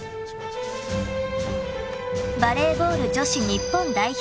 ［バレーボール女子日本代表